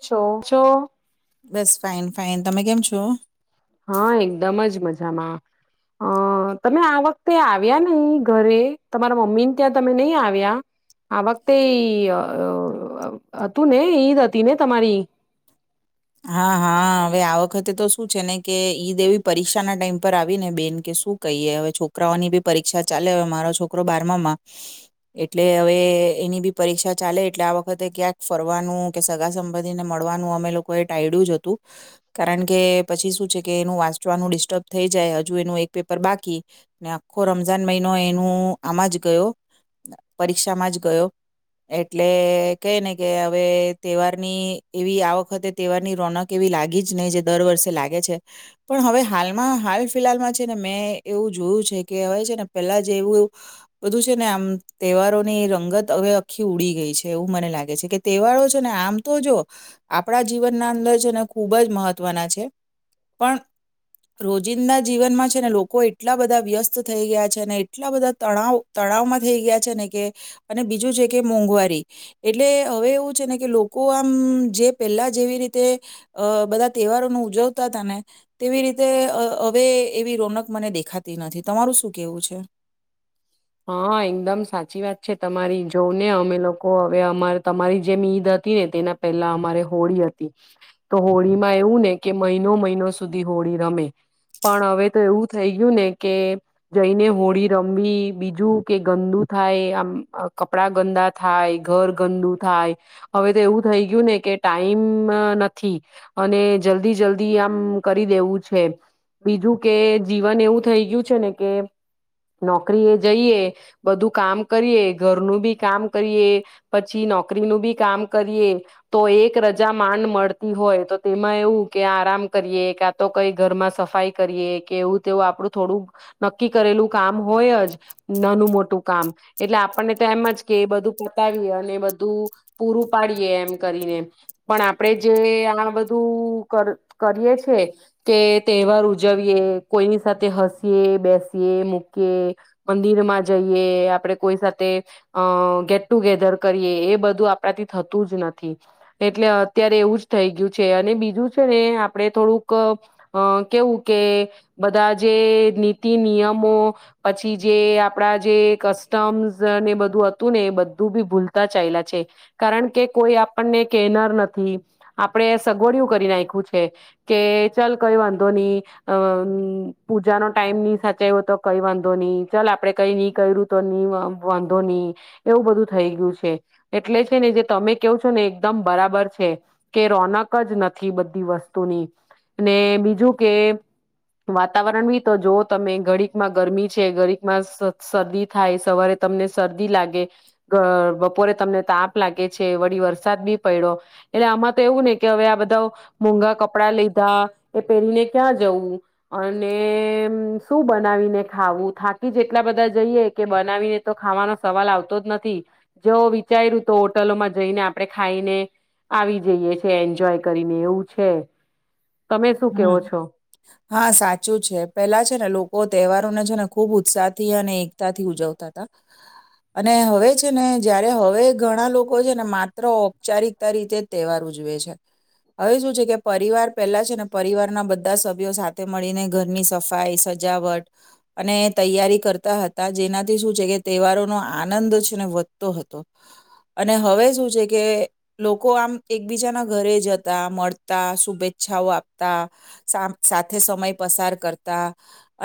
છો જો બસ ફાઈન ફાઈન. તમે કેમ છો? હા એકદમ જ મજામાં. અ તમે આ વખતે આવ્યા નઈ ઘરે તમારા મમ્મીને ત્યાં તમે નઈ આવ્યા આ વખતે હતું ને ઈદ હતી ને તમારી? હા હા હવે આ વખતે તો શું છે ને કે ઈદ એવી પરીક્ષા ના ટાઈમ પર આવી ને બેન કે શું કહીએ હવે છોકરાઓની બી પરીક્ષા ચાલે હવે મારો છોકરો બારમામાં એટલે હવે એની બી પરીક્ષા ચાલે એટલે આ વખતે ક્યાંક ફરવાનું, કે સગા સંબંધી ને મળવાનું અમે લો કો એ ટાઇડ્યું જ હતું, કારણ કે પછી શું છે કે એનું વાંચવાનું ડિસ્ટર્બ થઈ જાય હજુ એનું એક પેપર બાકી, ને આખો રમજાન મહિનો એનું આમાં જ ગયો પરીક્ષામાં જ ગયો, એટલે કહે ને કે હવે તહેવારની એવી આ વખતે તહેવાર ની રોનક એવી લાગી જ નહી જે દર વર્ષે લાગે છે, પણ હવે હાલમાં હાલ ફિહાલમાં છે ને મેં એવું જોયું છે કે હવે છે ને પેલા જે એવું એવું બધું છે ને આમ તહેવારોની રંગત હવે આખી ઉડી ગઈ છે, એવું મને લાગે છે કે તહેવારો છે ને આમ તો જો આપણા જીવનના અંદર છે ને ખૂબ જ મહત્વના છે, પણ રોજિંદા જીવનમાં છે ને લોકો એટલા બધા વ્યસ્ત થઈ ગયા છે ને એટલા બધા તણાવ તણાવમાં થઈ ગયા છે ને કે, અને બીજું છે કે મોંઘવારી એટલે હવે એવું છે ને કે લોકો આમ જે પેલા જેવી રીતે અ બધા તહેવારો ન ઉજવતા તા ને, તેવી રીતે હવે એવી રોનક મને દેખાતી નથી તમારું શું કેવું છું? હા એકદમ સાચી વાત છે તમારી, જોવ ને અમે લોકો હવે અમા તમારી જેમ ઈદ હતી ને તેના પહેલા અમારે હોળી હતી, તો હોળીમાં એવું ને કે મહિનો મહિનો સુધી હોળી રમે, પણ હવે તો એવું થઈ ગયું ને કે જઈને હોળી રમવી બીજું કે ગંદુ થાય આમ કપડા ગંદા થાય, ઘર ગંદુ થાય, હવે તો એવું થઈ ગયું ને કે ટાઈમ નથી અને જલ્દી જલ્દી આમ કરી દેવું છે, બીજું કે જીવન એવું થઈ ગયું છે ને કે નોકરી એ જઈએ બધું કામ કરીએ ઘરનું બી કામ કરીએ, પછી નોકરીનું બી કામ કરીએ તો એક રજા માંડ મડતી હોય તો તેમાં એવું કે આરામ કરીએ, કા તો કઈ ઘરમાં સફાઈ કરીએ, કે એવું તેવું આપડું થોડું નક્કી કરેલું કામ હોય જ નાનું મોટું કામ, એટલે આપર્ણે તો એમ જ કે બધું પતાવીએ અને બધું પૂરું પાડીએ એમ કરીને, પણ આપણે જે આ બધું કર કરીએ છે કે તહેવાર ઉજવીએ, કોઈની સાથે હસીયએ, બેસીએ, મૂકીએ મંદિરમાં જઈએ, આપડે કોઈ સાથે અ ગેટ ટુગેધર કરીએ એ બધું આપણાથી થતું જ નથી, એટલે અત્યારે એવું જ થઈ ગ્યું છે, અને બીજું છે ને આપડે થોડુંક અ કેવું કે બધા જે નીતિ નિયમો, પછી પી જે આપડા જે કસ્ટમ્સ ને બધું હતું ને એ બધું બી ભૂલતા ચાલલા છે, કારણ કે કોઈ આપર્ણે કેનર નથી આપડે સગવડિયું કરી નાખ્યું છે, કે ચાલ કઈ વાંધો નહી અ પૂજાનો ટાઈમ નહી સાચઇવો તો કઈ વાં ધો ની, ચાલ આપડે કઈ નહી કર્યું તો ની અ વાંધો ની, એવું બધું થઈ ગયું છે, એટલે છે ને જે તમે કેવું છો ને એકદમ બરાબર છે, કે રોનક જ નથી બધી વસ્તુની, ને બીજું કે વાતાવરણ બી તો જો તમે ઘડીકમાં ગરમી છે ગરીકમાં સર શરદી થાય સવારે તમને શરદી લાગે, બ બપોરે તમને તાપ લાગે છે, વળી વરસાદ બી પઇડો એટલે આમાં તો એવું ને કે હવે આ બધા મોંઘા કપડા લીધા, એ પહેરીને ક્યાં જવું, અને શું બનાવીને ખાવું થાકી જ એટલા બધા જઈએ કે બનાવીને તો ખાવાનો સવાલ આવતો જ નથી, જેવ વિચાર્યું તો હોટલોમાં જઈને આપડણે ખાઈને આવી જઈએ છે એન્જોય કરીને એવું છે. તમે શું હમ્મ કેવો છો હા સાચું છે, પેલા છે ને લોકો તહેવાર ને ખુબ ઉત્સાહ થી અને એકતા થી ઉજવતા હતા અને હવે છે ને જયારે હવે ઘણા લોકો એ માત્ર ઔપચારિકતા રીતે તહેવાર ઉજવે છે હવે શું છે કે પરિવાર પેલા છે ને પરિવારના બધા સભ્યો સાથે મળીને ઘરની સફાઈ સજાવટ અને તૈયારી કરતા હતા જેનાથી શું છે કે તહેવારો નો આનંદ છે ને વધતો હતો અને હવે શું છે કે લોકો આમ એકબીજાના ઘરે જતા મળતા શુભેચ્છાઓ આપતા સાથે સમય પસાર કરતા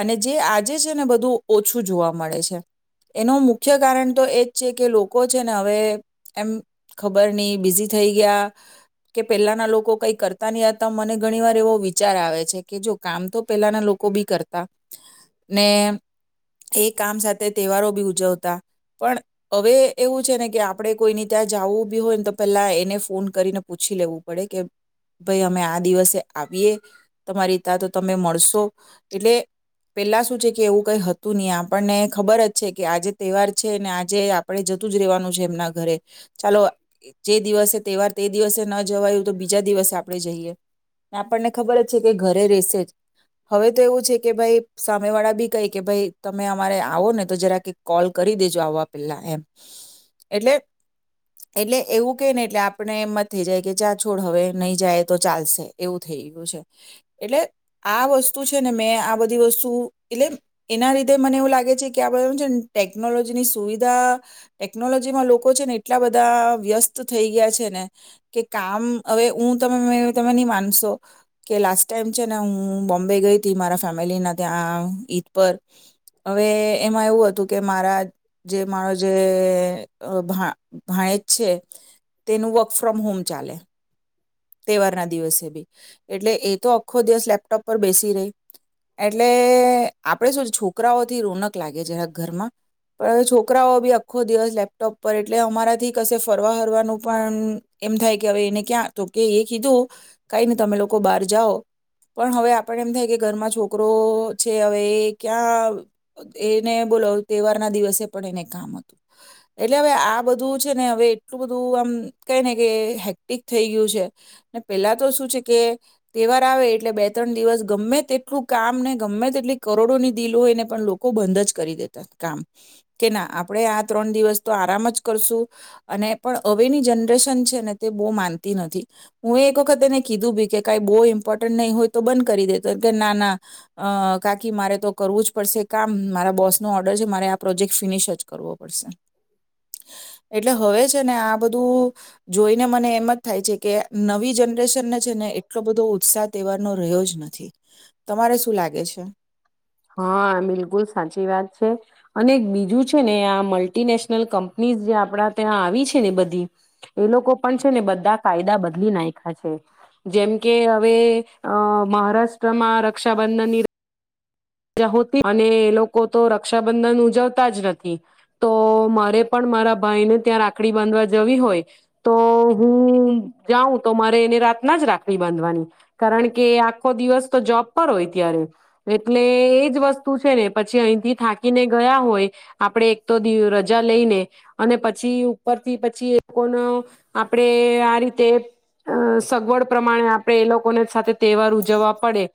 અને જે આજે છે ને બધું ઓછું જોવા મળે છે એનું મુખ્ય કારણ તો એજ છે કે લોકો છે ને હવે એમ ખબર નહી બિઝી થઈ ગયા કે પેલાના લોકો કઈ કરતા નહતા મને ઘણી વાર એવો વિચાર આવે છે કે જો કામ તો પેલાના લોકો બી કરતા ને એ કામ સાથે તહેવારો બી ઉજવતા પણ હવે એવું છે ને કે આપણે કોઈ ત્યાં જવું બી હોય ને તો પેલા એને ફોન કરીને પૂછી લેવું પડે કે ભાઈ અમે આ દિવસ આવીએ તમારી ત તો તમે મળશો એટલે પેલા શું છે કે એવું કઈ હતું નહી આપણને ખબર જ છે કે આજે તહેવાર છે ને આજે આપણે જતું જ રવાનું છે એમના ઘરે ચાલો જે દિવસે તહેવાર તે દિવસે ન જવાયું તો બીજા દિવસે આપણે જઈએ આપણને ખબર જ છે કે ઘરે રેશે જ હવે તો એવું છે કે ભાઈ સામે વાળા બી કઈ કે ભાઈ તમે અમારે આવો ને તો જરાક કોલ કરી દેજો આવવા પેલા એમ એટલે એટલે એવું કેહે ને એટલે આપણે એમમાં થઈ જાય કે ચા છોડ હવે નહી જાય તો ચાલશે એવું થઈ ગયું છે એટલે આ વસ્તુ છે ને મેં આ બધી વસ્તુ એટલે એના લીધે મને એવું લાગે છે કે આ બધા છેને ટેકનોલોજી ની સુવિધા ટેકનોલોજીમાં લોકો છે ને એટલા બધા વ્યસ્ત થઈ ગયા છે ને કે કામ હવે હું તમે નહીં માન કે લાસ્ટ ટાઈમ છે ને હું બોમ્બે ગઈ હતી મારા ફેમિલી ના ત્યાં ઈદ પર હવે એમાં એવું હતું કે મારા જે મારો જે ભાઇજ છે તેનું વર્ક ફ્રોમ હોમ ચાલે તહેવારના દિવસે ભી એટલે એ તો આખો દિવસ લેપટોપ પર બેસી રહી એટલે આપણે શું છોકરાઓથી રોનક લાગે છે ઘરમાં પણ હવે છોકરાઓ ભી અખો દિવસ લેપટોપ પર એટલે અમારાથી કશે ફરવા ફરવાનું પણ એમ થાય કે હવે એને ક્યાં તો કે એ કીધું કઈ ને તમે લોકો બહાર જાઓ પણ હવે આપણ એમ થાય કે ઘરમાં છોકરો છે હવે એ ક્યાં એને બોલો તહેવાર ના દિવસે પણ એને કામ હતું એટલે હવે આ બધું છે ને હવે એટલું બધું આમ કઈ ને કે હેક્ટિક થય ગયું છે ને પેલા તો શું છે કે તહેવાર આવે એટલે બે ત્રણ દિવસ ગમે તેટલું કામ ને ગમે તેટલી કરોડોની ડીલ હોય ને પણ લોકો બંધ જ કરી દેતા કામ કે ના આપણે આ ત્રણ દિવસ તો આરામ જ કરશું અને પણ હવેની જનરેશન છે ને તે બહુ માન તી નથી હું એ એક વખત એને કીધું ભી કે કઈ બહુ ઇમ્પોર્ટન્ટ નહીં હોય તો બંધ કરી દેતોમ કે ના ના કાકી મારે તો કરવું જ પડશે કામ મારા બોસ નો ઓર્ડર છે મારે આ પ્રોજેક્ટ ફિનિશ જ કરવો પડશે એટલે હવે જ ને આ બધું જોઈને મને એમ જ થાય છે કે નવી જનરેશનને છે ને એટલો બધો ઉત્સાહ તહેવારનો રહ્યો જ નથી તમારે શું લાગે છે હા બિલકુલ સાચી વાત છે અને બીજું છે ને આ મલ્ટીનેશનલ કંપનીઝ જે આપડા ત્યાં આવી છે ને બધી એ લોકો પણ છે ને બધા કાયદા બદલી નાખ્યા છે જેમ કે હવે અ મહારાષ્ટ્રમાં રક્ષાબંધનની રજા હોતી અને એ લોકો તો રક્ષાબંધન ઉજવતા જ નથી તો મારે પણ મારા ભાઈને ત્યાં રાખડી બાંધવા જવી હોય તો હું જાઉં તો મારે એને રાતના જ રાખડી બાંધવાની કારણ કે આખો દિવસ તો જોબ પર હોય ત્યારે એટલે એ જ વસ્તુ છે ને પછી અહીંથી થાકીને ગયા હોય આપણે એક તો રજા લઈને અને પછી ઉપરથી પછી એ લોકોનો આપણેે આ રીતે અ સગવડ પ્રમાણે આપણે એ લોકોને સાથે તહેવાર એ એ ઉજવવા પડે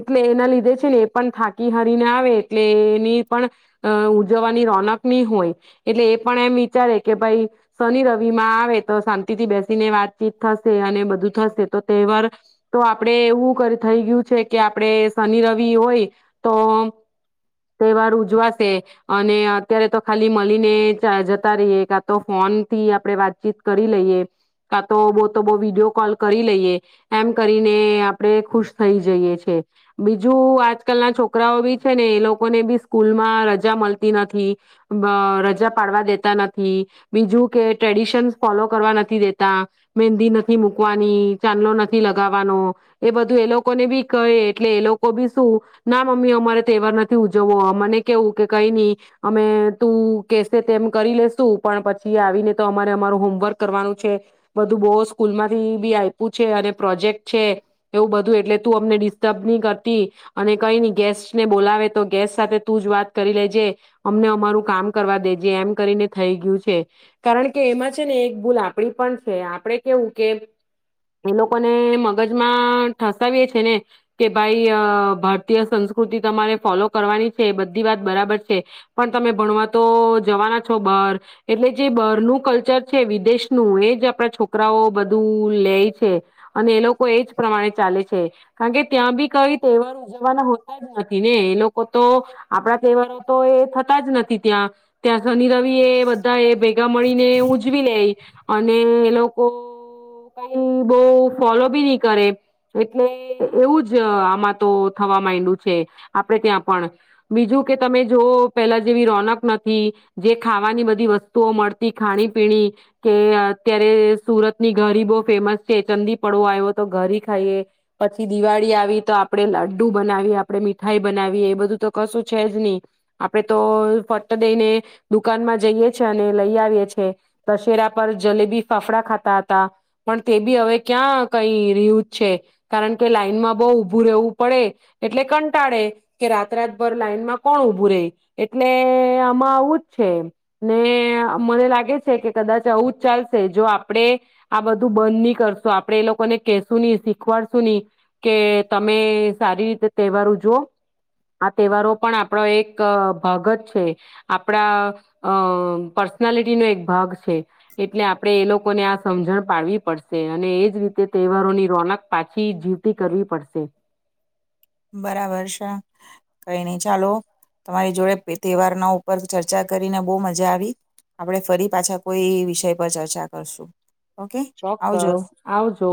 એટલે એના લીધે છે ને એ પણ થાકી હારીને આવે એટલે એની પણ અ ઉજવવાની રોનક ની હોય એટલે એ પણ એમ વિચારે કે ભાઈ શનિ રવિ માં આવે તો શાંતિ થી બેસીને વાતચીત થશે અને બધું થશે તો તહેવાર તો આપડે એવું થઈ ગયું છે કે આપડે શનિ રવિ હોય તો તહેવાર ઉજવાશે અને અત્યારે તો ખાલી મળીને જતા રહીએ કા તો ફોન થી આપણે વાતચીત કરી લઈએ કા તો બો તો બો વિડીયો કોલ કરી લઈએ એમ કરીને આપડે ખુશ થઈ જઈએ છે બી બીજુ આજકાલ ના છોકરાઓ બી છે ને એ લોકોને બી સ્કૂલમાં રજા મળતી નથી અ રજા પાડવા દેતા નથી બીજું કે ટ્રેડિશનસ ફોલો કરવા નથી દેતા મેદી નથી મૂકવાની ચાંદલો નથી લગાવવાનો એ બધું એ લોકોને ભી કહે એટલે એ લોકો લોકો‌ ભી શું ના મમ્મી અમારે તહેવાર નથી ઉજવો મને કેવું કે કઈ નહી અમે તું કેશે તેમ કરી લેસુ પણ પછી આવીને તો અમારે અમારું હોમવર્ક કરવાનું છે બધું બો સ્કૂલ માંથી ભી આયપુ છે અને પ્રોજેક્ટ છે એવું બધું એટલે તું અમને ડિસ્ટર્બ ની કર કરતી અને કઈ ન ગેસ્ટને બોલાવે તો ગેસ્ટ સાથે તું જ વાત કરી લેજે અમને અમારું કામ કરવા દેજે એમ કરીને થઈ ગયું છે કારણ કે એમાં છે ને એક ભૂલ આપડી પણ છે આપણે કેવું કે એ લોકોને મગજમાં ઠસાવીએ છે ને કે ભાઈ કે ભારતીય સંસ્કૃતિ તમારે ફોલો કરવાની છે બધી વાત બરાબર છે પણ તમે ભણવા તો જવાના છો બાર એટલે જે બારનુ‌‌‍ કલ્ચર છે વિદેશનું એજ આપણા છોકરાઓ બધું લેય છે અને એ લોકો એજ પ્રમાણે ચાલે છે કારણ કે ત્યાં ભી કઈ તહેવાર ઉજવવાના હોતા જ નથી ને એ લોકો તો આપડા તહેવારો તો એ થતા જ નથી ત્યાં ત્યાં શનિ રવિ એ બધા એ ભેગા મળીને ઉજવી લે અને એ લોકો કઈ બો ફોલો ભી નહી કરે એટલે એવું જ જ આમાં તો થવા માંડું છે આપડે ત્યાં પણ બીજું કે તમે જો પેલા જેવી રોનક નથી જે ખાવાની બધી વસ્તુઓ મળતી ખાણી પીણી કે અત્યારે સુરતની ઘરી બહુ ફેમસ છે ચંદીપડો આવ્યો તો ઘર ખાઈએ પછી દિવાળી આવે તો આપડે લડ્ડુ બનાવીએ આપણે મીઠાઈ બનાવીએ એ બધું તો કશું છે જ નહી આપડે તો ફટ દઈને દુકાનમાં જઈએ છે અને લઈ આવીએ છે દશેરા પર જલેબી ફાફડા ખાતા હતા પણ તે ભી હવે ક્યાં કઈ રહુ છે કારણ કે લાઈનમાં બો ઉભું રહેવું પડે એટલે કંટાળે કે રાત રાતભર લાઈનમાં કોણ ઉભું ર એટલે આમાં આવું જ છે ને મને લાગે છે કે કદાચ આવું જ ચાલશે જો આપણે આ બધું બંધ નહી કરશું આપડે એ લોકોને કશું નહી શીખવાડશું નહી કે તમે સારી રીતે તહેવારો જુઓ આ તહેવારો પણ આપણો એક ભાગ જ છે આપણા અ પર્સનાલિટીનોો એક ભાગ છે એટલે આપણેે એ લોકોને આ સમજણ પાડવી પડશે અને એજ રીતે તહેવારોની રોનક પાછી જી કરવી પડશે બરાબર છે કઈ નહી ચાલો તમારી જોડે તહેવારના ઉપર ચર્ચા કરીને બહુ મજા આવી આપડે ફરી પાછા કોઈ વિષય પર ચર્ચા કરશું ઓકે આવજો ચોક્કસ આવજો